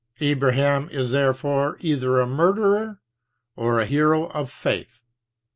Abraham is therefore either a murderer, or a hero of Faith.